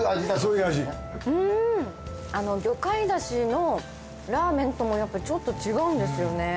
うん魚介だしのラーメンともやっぱりちょっと違うんですよね。